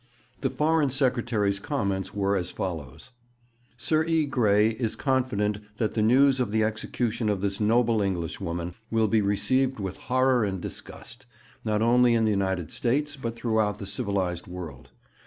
The Foreign Secretary's comments were as follows: 'Sir E. Grey is confident that the news of the execution of this noble Englishwoman will be received with horror and disgust, not only in the United States, but throughout the civilized world.